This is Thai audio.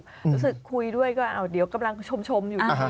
รู้สึกคุยด้วยก็เดี๋ยวกำลังชมอยู่